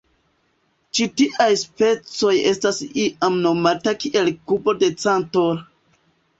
Ĉi tiaj spacoj estas iam nomata kiel kubo de Cantor.